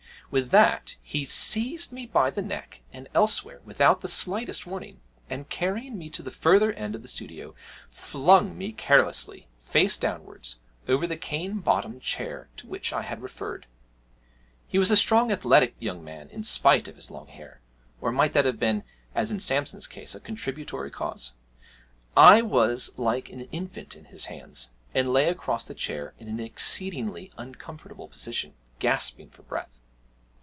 With that he seized me by the neck and elsewhere without the slightest warning, and, carrying me to the further end of the studio, flung me carelessly, face downwards, over the cane bottomed chair to which I had referred. He was a strong athletic young man, in spite of his long hair or might that have been, as in Samson's case, a contributory cause? I was like an infant in his hands, and lay across the chair, in an exceedingly uncomfortable position, gasping for breath.